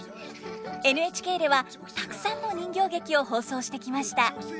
ＮＨＫではたくさんの人形劇を放送してきました。